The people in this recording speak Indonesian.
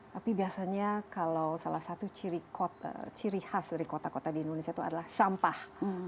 tapi biasanya kalau salah satu ciri khas dari kota kota di indonesia itu adalah sampah